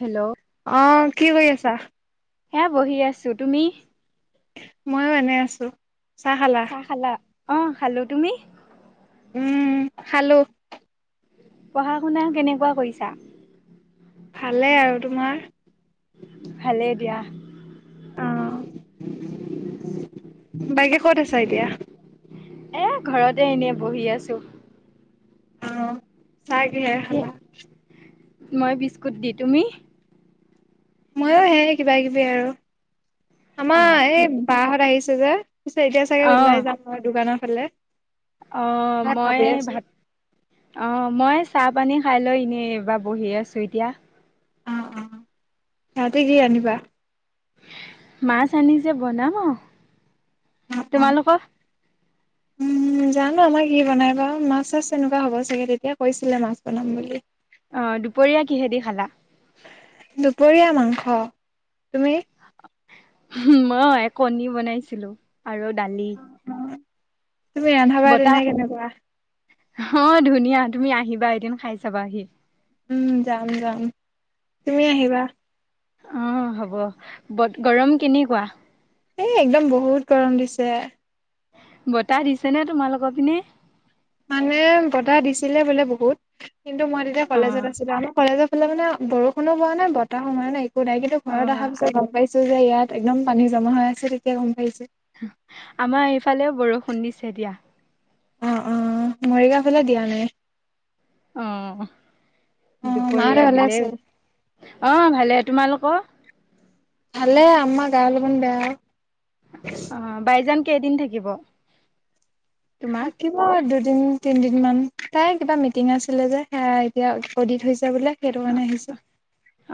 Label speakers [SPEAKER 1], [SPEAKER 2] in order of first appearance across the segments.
[SPEAKER 1] Hello
[SPEAKER 2] অ কি কৰি আছা?
[SPEAKER 1] এ বহি আছোঁ তুমি।
[SPEAKER 2] মইও এনেই আছোঁ। চাহ খালা
[SPEAKER 1] অ খালো। তুমি?
[SPEAKER 2] উম খালোঁ।
[SPEAKER 1] পঢ়া শুনা কেনেকুৱা কৰিছা?
[SPEAKER 2] ভালে আৰু তোমাৰ।
[SPEAKER 1] ভালে দিয়া।
[SPEAKER 2] বাইকে ক'ত আছা এতিয়া।
[SPEAKER 1] এ ঘৰতে এনেয়ে বহি আছোঁ
[SPEAKER 2] অ চাহ কিহেৰে
[SPEAKER 1] কি
[SPEAKER 2] খালা
[SPEAKER 1] মই বিস্কুট দি তুমি
[SPEAKER 2] ময়ো সেই কিবা কিবি আৰু আমা
[SPEAKER 1] অ
[SPEAKER 2] এই
[SPEAKER 1] ঠিকে
[SPEAKER 2] বাহঁত আহিছে যে পিছে এতিয়া চাগে
[SPEAKER 1] অ
[SPEAKER 2] ওলাই যাম আৰু দোকানৰ ফালে
[SPEAKER 1] অ মই
[SPEAKER 2] ভাবি আছো।
[SPEAKER 1] ভাত অ মই চাহ পানী খাই লৈ এনিয়ে এইবা বহি আছোঁ এতিয়া
[SPEAKER 2] অ অ ৰাতি কি আনিবা
[SPEAKER 1] মাছ আনিছে বনাম আৱ তোমালোকৰ
[SPEAKER 2] উম উম জানো আমাৰ কি বনাই বা মাছ চাছ এনেকুৱা হ'ব চাগে তেতিয়া কৈছিলে মাছ বনাম বুলি
[SPEAKER 1] অ দুপৰীয়া কিহে দি খালা
[SPEAKER 2] দুপৰীয়া মাংস তুমি
[SPEAKER 1] মই কণী বনাইছিলো আৰু দালি
[SPEAKER 2] তুমি ৰান্ধা বাঢ়াত
[SPEAKER 1] বতাহ
[SPEAKER 2] এনে কেনেকুৱা
[SPEAKER 1] অ ধুনীয়া তুমি আহিবা এদিন খাই চাবা আহি
[SPEAKER 2] উম যাম যাম তুমি আহিবা
[SPEAKER 1] অ হ'ব বত গৰম কেনেকুৱা
[SPEAKER 2] এ একদম বহুত গৰম দিছে
[SPEAKER 1] বতাহ দিছে নে তোমালোকৰ পিনে
[SPEAKER 2] মানে বতাহ দিছিলে বোলে বহুত কিন্তু মই তেতিয়া কলেজত
[SPEAKER 1] অ'
[SPEAKER 2] আছিলো আমাৰ কলেজৰ ফালে মানে বৰষুণো পোৱা নাই বতাহো মৰা নাই একো নাই কিন্তু ঘৰত অহা
[SPEAKER 1] অ'
[SPEAKER 2] পিছত গম পাইছোঁ যে ইয়াত একদম পানী জমা হৈ আছে তেতিয়া গম পাইছোঁ
[SPEAKER 1] আমাৰ এইফালেও বৰষুণ দিছে দিয়া
[SPEAKER 2] অ অ মৰিগাঁও ফালে দিয়া নাই
[SPEAKER 1] অ
[SPEAKER 2] অ মাহঁতে
[SPEAKER 1] দুপৰীয়া
[SPEAKER 2] ভালে
[SPEAKER 1] দিলে
[SPEAKER 2] আছে
[SPEAKER 1] অ ভালে তোমালোকৰ
[SPEAKER 2] ভালে আমাৰ গা অলপমান বেয়া আৱ
[SPEAKER 1] অ' বাইজান কেইদিন থাকিব তোমাৰ?
[SPEAKER 2] থাকিব দু দুদিন তিনদিন মান তাই কিবা মিটিং আছিলে যে সেয়া এতিয়া উৎপদিত হৈছে বোলে সেইতো কাৰণে আহিছে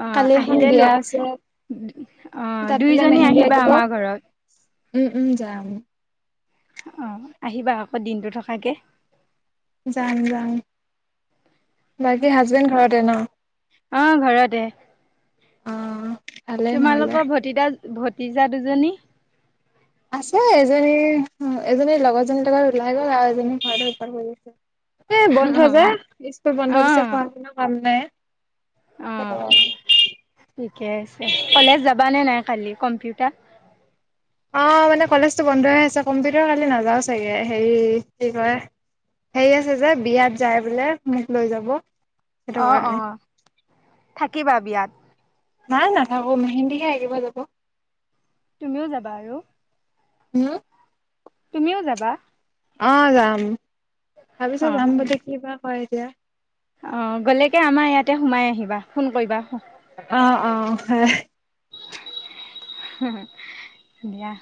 [SPEAKER 1] অ'
[SPEAKER 2] কালি এখন
[SPEAKER 1] আহিলে
[SPEAKER 2] বিয়া
[SPEAKER 1] লৈ
[SPEAKER 2] আছে
[SPEAKER 1] অ
[SPEAKER 2] তাত বোলে
[SPEAKER 1] দুইজনী
[SPEAKER 2] মেহেন্দী
[SPEAKER 1] আহিবা
[SPEAKER 2] আঁকিব
[SPEAKER 1] আমাৰ ঘৰত
[SPEAKER 2] উম উম যাম
[SPEAKER 1] অ আহিবা আকৌ দিনটো থকাকে
[SPEAKER 2] যাম যাম বাকী হাজবেণ্ড ঘৰতে ন
[SPEAKER 1] অ ঘৰতে
[SPEAKER 2] অ ভালে
[SPEAKER 1] তোমালোক
[SPEAKER 2] নহলে
[SPEAKER 1] ভতিজা ভতিজা দুজনী
[SPEAKER 2] আছে এজনী, এজনীৰ লগৰজনী লগত ওলাই গ'ল আৰু এজনী ঘৰতে ওপাত কৰি গৈছে। এ বন্ধ
[SPEAKER 1] অ'
[SPEAKER 2] যায় স্কুল বন্ধ দিছে
[SPEAKER 1] অ'
[SPEAKER 2] পঢ়া শুনা ভাল নাই।
[SPEAKER 1] অ ঠিকে আছে কলেজ যাব নে নাই। খালি কম্পিউটাৰ।
[SPEAKER 2] অ, মানে কলেজটো বন্ধ হৈ আছে কম্পিউটাৰ খালি নাযাও চাগে হেৰি কি কয়। সেই আছে যে, বিয়াত যায় বোলে মোক লৈ যাব। সেইটো
[SPEAKER 1] অ অ
[SPEAKER 2] কাৰণে
[SPEAKER 1] থাকিবা বিয়াত।
[SPEAKER 2] নাই নাই নাথাকো মেহেন্দীহে আকিব যাব।
[SPEAKER 1] তুমিও যাবা আৰু।
[SPEAKER 2] উম।
[SPEAKER 1] তুমিও যাবা।
[SPEAKER 2] অ যাম ভাবিছো
[SPEAKER 1] অ
[SPEAKER 2] যাম বুলি কি বা কয় এতিয়া।
[SPEAKER 1] অ গ'লেকে আমাৰ ইয়াতে সোমাই আহিবা ফোন কৰিবা।
[SPEAKER 2] অ অ।
[SPEAKER 1] দিয়া।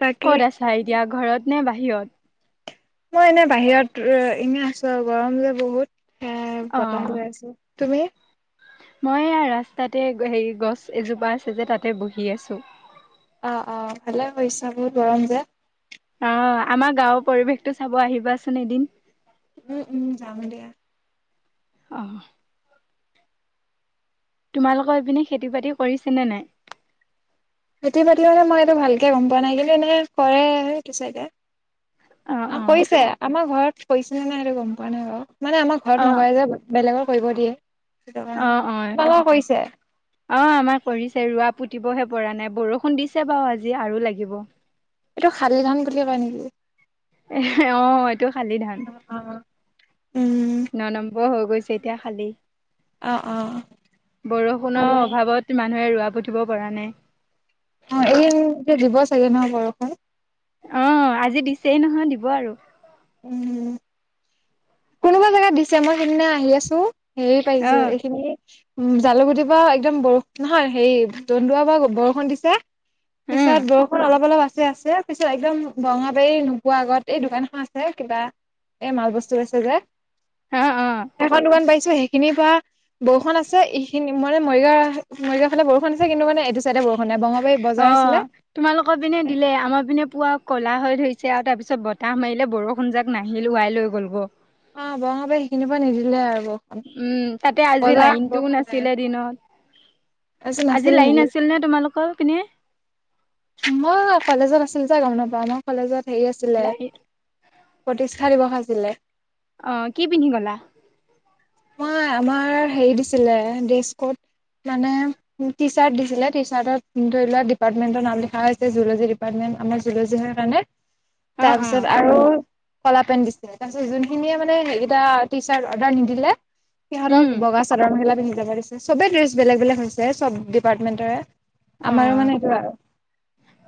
[SPEAKER 2] বাকী
[SPEAKER 1] ক'ত আছা এতিয়া ঘৰত নে বাহিৰত?
[SPEAKER 2] মই এনে বাহিৰত ইনে আছো আৰু গৰম যে বহুত এ
[SPEAKER 1] অ
[SPEAKER 2] বতাহ বৈ আছে। তুমি?
[SPEAKER 1] মই ৰাস্তাতে হে গছ এজোপা আছে যে তাতে বহি আছো।
[SPEAKER 2] আহ অ ভালে কৰিছা বহুত গৰম যে।
[SPEAKER 1] অ, আমাৰ গাঁৱৰ পৰিৱেশটো চাব আহিবাচোন এদিন।
[SPEAKER 2] উম উম যাম দিয়া।
[SPEAKER 1] আহঁ। তোমালোকৰ এইপিনে খেতি বাতি কৰিছেনে নাই?
[SPEAKER 2] খেতি বাতি মানে মই এইটো ভালকে গম পোৱা নাই কিন্তু এনে কৰে সেইটো চাইডে। অ কৰিছে। আমাৰ ঘৰত কৰিছে নাই সেইটো গম পোৱা নাই বাৰু। মানে আমাৰ
[SPEAKER 1] অ
[SPEAKER 2] ঘৰত নকৰে যে বেলেগৰ কৰিব দিয়ে। সেইটো
[SPEAKER 1] অ
[SPEAKER 2] কাৰণে
[SPEAKER 1] অ
[SPEAKER 2] তোমালোকৰ কৰিছে
[SPEAKER 1] অ আমাৰ কৰিছে ৰোৱা পু। পুতিবহে পৰা নাই বৰষুণ দিছে বাৰু আজি আৰু লাগিব।
[SPEAKER 2] এইটো শালি ধন বুলিয়ে কয় নেকি?
[SPEAKER 1] এ আহ এইটো শালি ধান।
[SPEAKER 2] উম
[SPEAKER 1] ন নম্বৰ হৈ গৈছে এতিয়া খালি
[SPEAKER 2] অ অ ভালে
[SPEAKER 1] বৰষুণৰ অভাৱত মানুহে ৰোৱা পুতিব পৰা নাই।
[SPEAKER 2] অ এই যে দিব ছাগে ন বৰষুণ?
[SPEAKER 1] অ আজি দিছেই নহয় দিব আৰু।
[SPEAKER 2] উম। কোনোবা জেগাত দিছে মই সেইদিনা আহি আছো হেৰি
[SPEAKER 1] অ
[SPEAKER 2] পাইিছো এইখনি। উ জালুকুটিৰ পৰা একদম বৰ নহয় হেৰি তন্দুৱাৰ পৰা বৰষুণ দিছে।
[SPEAKER 1] উম
[SPEAKER 2] পিছত বৰষুণ অলপ অলপ আছে। আছে পিছত একদম বঙাবাৰী নোপোৱা আগত এই দোকান খন আছে কিবা এই মাল বস্তু আ।
[SPEAKER 1] অ অ
[SPEAKER 2] সেইখন দুকান পাইছো হি। সখিনিৰ পৰা বৰষুণ আছে এইখিনি মানে মৰিগাঁ মৰিগাঁও ফানে বৰষুণ আছে কিন্তু মানে এইটো চাইডে বৰ।
[SPEAKER 1] অ তোমালোকৰ পিনে দিলে আমাৰ পিনে পুৱা কলা হৈ ধৰিছে। চেয়াও তাৰ পিছত বতাহ মাৰিলে বৰষুণ যাক নাহিল ওৱাই লৈ গ'লগ।
[SPEAKER 2] অ বৰঙাপাই সেইখিনিৰ পৰা নিদিলে আৰু। বৰষুণ
[SPEAKER 1] উম তাতে আজি
[SPEAKER 2] বজাৰত
[SPEAKER 1] লাইনটোও
[SPEAKER 2] বৰষুণ নাই
[SPEAKER 1] নাছিলে দিনত।
[SPEAKER 2] তাৰপিছত
[SPEAKER 1] আজি
[SPEAKER 2] নাছিল
[SPEAKER 1] লাইন
[SPEAKER 2] নেকি
[SPEAKER 1] আছিল নে তোমালোকৰ পিনে?
[SPEAKER 2] মই কলেজত আছিলো যো গম নাপাও। আমাৰ কলেজত হেৰি আছিলে।
[SPEAKER 1] লাইন
[SPEAKER 2] প্ৰতিষ্ঠা দিৱস আছিলে।
[SPEAKER 1] অ কি পিন্ধি গলা?
[SPEAKER 2] মই আমাৰ হেৰি দিছিলে ডেছ কত মানে টি চাৰ্ট দিছিলে, টি চাৰ্টত ধৰি লোৱা ডিপাৰ্টমেণ্টৰ নাম লিখা হৈছে জুলজী ডিপাৰ্টমেন্ট। আমাৰ জুলজিঙৰ কাৰণে।
[SPEAKER 1] অ অ
[SPEAKER 2] তাৰপিছত আৰু কলা পেণ্ট দিছিলে। তাৰপিছত যোনখিনিয় মানে সেই কেইটা টি চাৰ্ট অৰ্ডাৰ নিদিলে সিহঁতক
[SPEAKER 1] উম
[SPEAKER 2] বগা চাদৰ মেখেলা পিন্ধি যাব দিছে, চবে ড্ৰেছ বেলেগ বেলেগ হৈছে চব ডিপাৰ্টমেণ্টৰে।
[SPEAKER 1] অ
[SPEAKER 2] আমাৰো মানে এইটো আৰু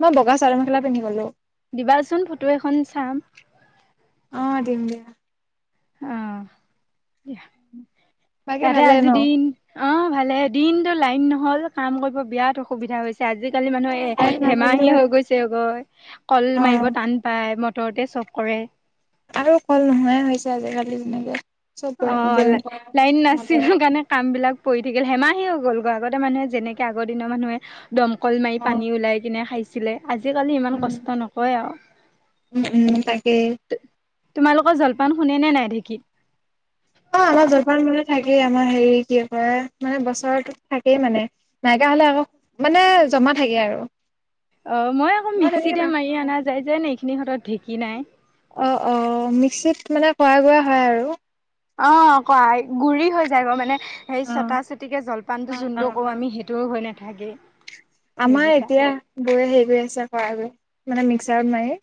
[SPEAKER 2] মই বগা চাদৰ মেখেলা পিন্ধি গলো।
[SPEAKER 1] দিবাচোন ফটো এখন চাম
[SPEAKER 2] অ দিম দিয়া।
[SPEAKER 1] আহ
[SPEAKER 2] বাকী
[SPEAKER 1] ইহতে
[SPEAKER 2] ভালে
[SPEAKER 1] আজিৰ
[SPEAKER 2] ন
[SPEAKER 1] দিন অ ভালে দিনতটো লাইন নহল কাম কৰিব বিৰাট অসুবিধা হৈছে। আজিকালি মানুহে এ
[SPEAKER 2] কাৰেণ্ট নাথাকিলে
[SPEAKER 1] হেমাহি হৈ গৈছেগৈ। কল
[SPEAKER 2] অ
[SPEAKER 1] মাৰিব টান পায় ম ভিতৰতে চব কৰে
[SPEAKER 2] আৰু কল নোহোৱাই হৈছে আজিকালি যেনেকে চব
[SPEAKER 1] অ
[SPEAKER 2] বইম কৰা
[SPEAKER 1] লাইন নাছিল
[SPEAKER 2] নপৰে
[SPEAKER 1] কাৰণে কাম বিলাক পৰি থাকিল। হেমাহি হৈ গলগৈ আগতে মানুহে যেনেকে আগৰ দিনৰ মানুহে দমকল মাৰি
[SPEAKER 2] অ
[SPEAKER 1] পানী ওলাই কিনে খাইছিলে, আজিকালি ইমান
[SPEAKER 2] উম
[SPEAKER 1] কষ্ট নকয় আৰু।
[SPEAKER 2] উম উম তাকে।
[SPEAKER 1] তোমালোকৰ জলপান খুন্দে নে নাই ঢেঁকী?
[SPEAKER 2] অ আমাৰ জলপান মানে থাকেই আমাৰ হেৰি কি কয় মানে বছৰটোত থাকেই মানে নাই তেতিয়া হলে আকৌ, মানে জমা থাকে আৰু
[SPEAKER 1] অ মই আকৌ
[SPEAKER 2] তেনেকে
[SPEAKER 1] মিক্সিতে মাৰি
[SPEAKER 2] নাখাওঁ
[SPEAKER 1] অনা যায় যে ন এইখিনি হতত ঢেঁকী নাই
[SPEAKER 2] অ অ মিক্সিত মানে কৰা গুৰা হয় আৰু।
[SPEAKER 1] অ কোৱা গুৰি হৈ যায় মানে। সেই
[SPEAKER 2] অ
[SPEAKER 1] ছটা চিটিকে জলপানটো
[SPEAKER 2] অ অ
[SPEAKER 1] যোনটো কৰো
[SPEAKER 2] অ
[SPEAKER 1] আমি সেইটোও হৈ নাথাকেই।
[SPEAKER 2] আমাৰ এতিয়া গৈ হেৰি গৈ আছে কৰা গৈ, মানে মিক্সাৰত মাৰি।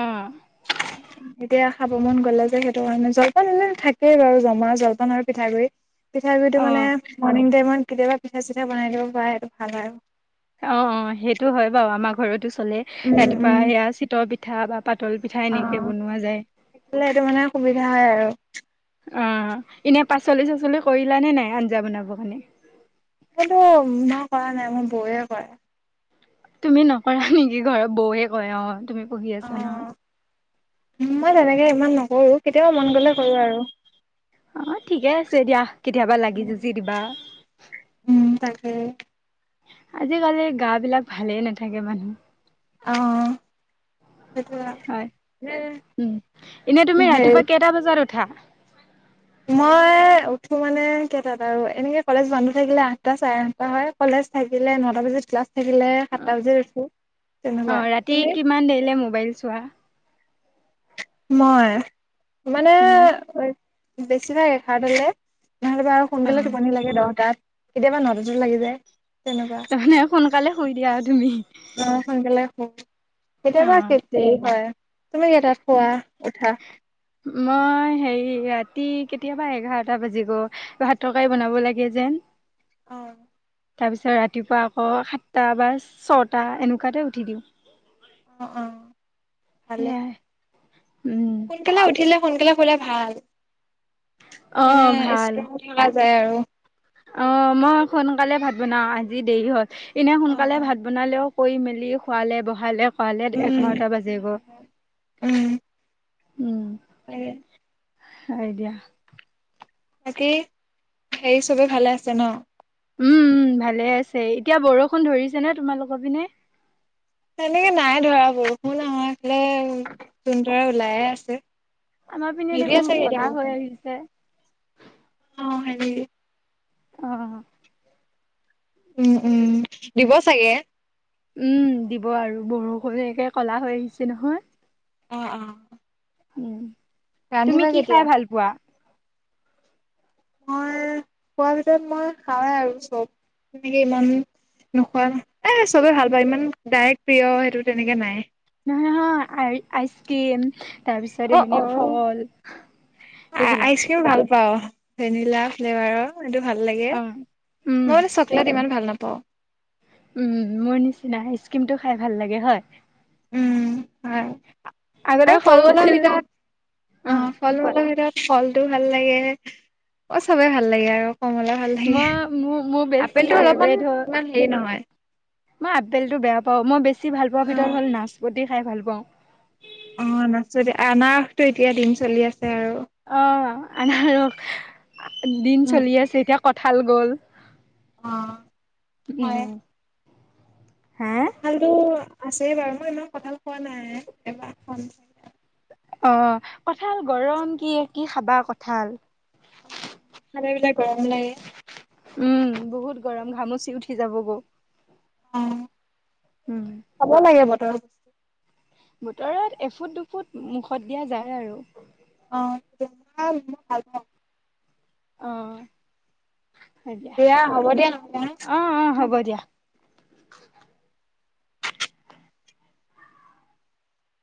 [SPEAKER 1] আহ
[SPEAKER 2] [inaudible] এতিয়া খাব মন গ'লে যে সেইটো কাৰণে জলপান এনে থাকেই বাৰু জমা জলপান আৰু পিঠাগুৰি। পিঠাগু়ৰিটো মানে
[SPEAKER 1] অ',
[SPEAKER 2] মৰ্ণিং টাইমত কেতিয়াবা পিঠা চিঠা বনাই দিব পাৰে সেইটো ভাল আৰু।
[SPEAKER 1] অ অ সেইটো হয় বাৰু আমাৰ ঘৰতো চলে,
[SPEAKER 2] উম
[SPEAKER 1] ৰাতিপুৱা
[SPEAKER 2] উম
[SPEAKER 1] সেয়া চিতৰ পিঠা বা পাতল পিঠা এনেকে বনোৱা যায়।
[SPEAKER 2] থাকে সেইটো মানে সুবিধা হয় আৰু।
[SPEAKER 1] অ এনে পাচলি চাচলি কৰিলানে নাই আঞ্জা বনাব কাৰণে?
[SPEAKER 2] মো ম মই কৰা নাই মোৰ বৌয়ে কৰে।
[SPEAKER 1] তুমি নকৰা নেকি ঘৰৰ বৌৱে কয়, অ তুমি পঢ়ি আছা ন
[SPEAKER 2] মই তেনেকে ইমান নকৰো কেতিয়াবা মন গলে কৰো আৰু
[SPEAKER 1] অ ঠিকে আছে দিয়া কেতিয়াবা লাগি যুজি দিবা।
[SPEAKER 2] হম
[SPEAKER 1] আজিকালি গা বিলাক ভালেই নাথাকে মানুহ।
[SPEAKER 2] আহ
[SPEAKER 1] হয় উম এনে তুমি
[SPEAKER 2] হেৰি
[SPEAKER 1] ৰাতিপুৱা কেইটা বজাত উঠা?
[SPEAKER 2] মই উঠো মানে কেইটাত আৰু এনেকে কলেজ বন্ধ থাকিলে আঠটা চাৰে আঠটা হয়, কলেজ- থাকিলে নটা বজাত ক্লাছ থাকিলে সাতটা বজাত উঠো
[SPEAKER 1] অ
[SPEAKER 2] তেনেকুৱা।
[SPEAKER 1] ৰাতি
[SPEAKER 2] তুমি?
[SPEAKER 1] কিমান দেৰিলে মোবাইল চোৱা
[SPEAKER 2] মই মানে
[SPEAKER 1] উম
[SPEAKER 2] বেছি ভাগ এঘাৰটালে নহ'লেবা আৰু
[SPEAKER 1] অ
[SPEAKER 2] সোনকালে টোপনি লাগে দহটাত, কেতিয়াবা নটাতো লাগি যায়। তেনেকুৱা
[SPEAKER 1] তাৰ মানে সোনকালে শুই দিয়া আৰু তুমি,
[SPEAKER 2] অ সোনকালে শুম
[SPEAKER 1] অ
[SPEAKER 2] কেতিয়াবা দেৰি হয়। তুমি কেইটাত খোৱা উঠা?
[SPEAKER 1] মই হে ৰাতি কেতিয়াবা এঘাৰটা বাজিব। ভাত তৰকাৰি
[SPEAKER 2] অ
[SPEAKER 1] বনাব লাগে যে
[SPEAKER 2] অ
[SPEAKER 1] তাৰপিছত ৰাতিপুৱা আকৌ সাতটা বা ছটা এনেকুৱাতে উঠি দিওঁ
[SPEAKER 2] অহ অহ
[SPEAKER 1] সেয়াই উম
[SPEAKER 2] সোনকালে উঠিলে সোনকালে শুলে ভাল
[SPEAKER 1] আহ ভাল
[SPEAKER 2] যাই আৰু
[SPEAKER 1] অ মই সোনকালে ভাত বনাও আজি দেৰি হল এনেই
[SPEAKER 2] অ
[SPEAKER 1] সোনকালে
[SPEAKER 2] অ
[SPEAKER 1] ভাত বনালেও কৰি মেলি শুৱালে বহালে কৰাৱালে
[SPEAKER 2] উম
[SPEAKER 1] এঘাৰটা বাজেগৈ উম
[SPEAKER 2] হে
[SPEAKER 1] হয় দিয়া
[SPEAKER 2] বাকী হেৰি চবে ভালে আছে ন।
[SPEAKER 1] উম ভালে আছে এতিয়া বৰষুণ ধৰিছে নে তোমালোকৰ পিনে
[SPEAKER 2] সেনেকে নাই ধৰা বৰষুণ আমাৰফালে জোন তৰা ওলাই আছে।
[SPEAKER 1] আমাৰ পিনে
[SPEAKER 2] নিদিয়ে
[SPEAKER 1] দেখোন
[SPEAKER 2] চাগে এতিয়া
[SPEAKER 1] কলা
[SPEAKER 2] বৰষুণ
[SPEAKER 1] হৈ আহিছে।
[SPEAKER 2] অ হয় নেকি
[SPEAKER 1] আহ
[SPEAKER 2] উম উম দিব চাগে।
[SPEAKER 1] উম দিব আৰু বৰষুণকে কলা হৈ আহিছে নহয়
[SPEAKER 2] অহ অহ
[SPEAKER 1] উম তুমি কি খাই ভাল পোৱা
[SPEAKER 2] মই খোৱা ভিতৰত মই খাৱাই আৰু চব তেনেকে ইমান নোখোৱা এ চবে ভাল পায় ইমান ডাইৰেক্ট প্ৰিয় সেইটো তেনেকে নাই
[SPEAKER 1] আইচক্ৰিম
[SPEAKER 2] অ
[SPEAKER 1] তাৰপিছৰে
[SPEAKER 2] অ
[SPEAKER 1] মানে ফল এইবিলাক
[SPEAKER 2] পা ভেনিলা ফ্লেভাৰৰ সেইটো ভাল লাগে
[SPEAKER 1] অ উম
[SPEAKER 2] মই বোলে চকলেট ইমান ভাল নাপাওঁ ক
[SPEAKER 1] উম মোৰ নিচিনা আইচ ক্ৰীমতো খাই ভাল লাগে হয়
[SPEAKER 2] উম হয়
[SPEAKER 1] আগতে
[SPEAKER 2] আৰু
[SPEAKER 1] সৰু
[SPEAKER 2] ফল মূলৰ
[SPEAKER 1] আছিলো
[SPEAKER 2] ভিতৰত অ ফল মূলৰ ভিতৰত ফলটো ভাল লাগে অ চবে ভাল লাগে আৰু কমলা ভাল লাগে
[SPEAKER 1] মই মোৰ মোৰ বেছি
[SPEAKER 2] আপেল টো অলপমান
[SPEAKER 1] ফেভৰেট হ'ল
[SPEAKER 2] ইমান হেৰি নহয়
[SPEAKER 1] মই আপেলটো বেয়া পাওঁ মই বেছি ভাল পোৱা ভিতৰত হ'ল নাচপতি খাই ভাল পাওঁ
[SPEAKER 2] অ নাচপতি আনাৰসটো এতিয়া দিন চলি আছে আৰু
[SPEAKER 1] অ আনাৰস দিন
[SPEAKER 2] উম
[SPEAKER 1] চলি আছে এতিয়া কঠাল গ'ল
[SPEAKER 2] অ
[SPEAKER 1] উম
[SPEAKER 2] কঁঠালতটো আছে বাৰু মই ইমান কঁঠাল খোৱা নাই এবাৰ খাম
[SPEAKER 1] অ কঠাল গৰম কি কি খাবা কঠাল
[SPEAKER 2] খালে বোলে গৰম লাগে
[SPEAKER 1] উম, বহুত গৰম ঘামচি উঠি যাব গৈ
[SPEAKER 2] অ খাব লাগে বতৰ বস্তু
[SPEAKER 1] বতৰত এফুট দুফুট মুখত দিয়া যায় আৰু
[SPEAKER 2] কঁঠাল মই ভাল পাঁও
[SPEAKER 1] আহ হয় দিয়া
[SPEAKER 2] হ'ব দিয়া নহ'লে হা
[SPEAKER 1] অহ অহ' হ'ব দিয়া